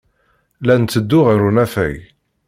La netteddu ɣer unafag.